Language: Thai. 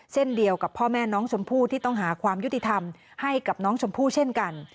เช่นเดียวกับพ่อแม่น้องชมพู่ที่ต้องหาความยุติธรรมให้กับน้องชมพู่เช่นกัน